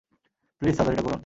Please সার্জারিটা করুন।